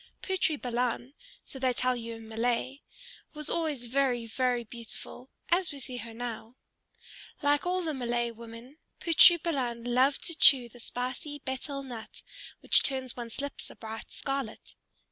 Putri Balan, so they tell you in Malay, was always very, very beautiful, as we see her now. Like all the Malay women, Putri Balan loved to chew the spicy betel nut which turns one's lips a bright scarlet.